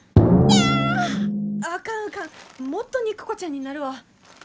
あかんあかんもっと肉子ちゃんになるわ。